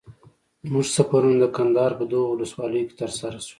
زموږ سفرونه د کندهار په دغو ولسوالیو کي تر سره سو.